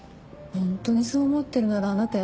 ホントにそう思ってるならあなた